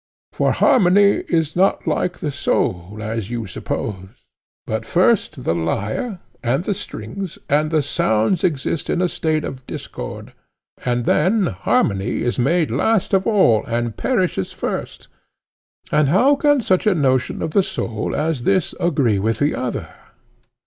For harmony is not like the soul, as you suppose; but first the lyre, and the strings, and the sounds exist in a state of discord, and then harmony is made last of all, and perishes first. And how can such a notion of the soul as this agree with the other?